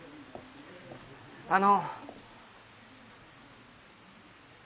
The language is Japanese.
あの。